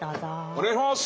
お願いします。